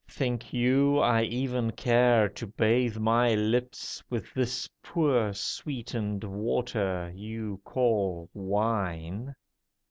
Think you I even care to bathe my lips With this poor sweetened water you call wine?